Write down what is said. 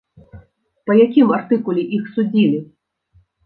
Па якім артыкуле іх судзілі?